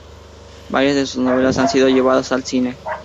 Varias de sus novelas han sido llevadas al cine.